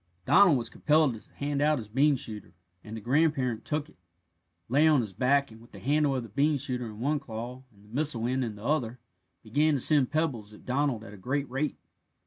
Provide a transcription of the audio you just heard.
Donald was compelled to hand out his bean shooter, and the grandparent took it, lay on his back, and with the handle of the bean shooter in one claw and the missile end in the other began to send pebbles at Donald at a great rate.